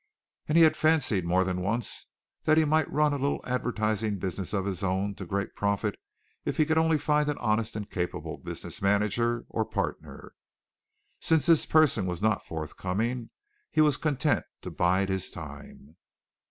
He had fancied more than once that he might run a little advertising business of his own to great profit if he only could find an honest and capable business manager or partner. Since this person was not forthcoming, he was content to bide his time.